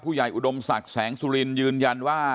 อุดมศักดิ์แสงสุรินยืนยันว่า